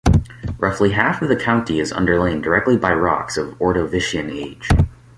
Roughly half of the county is underlain directly by rocks of Ordovician age.